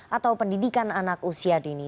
atau pendidikan anak usia dini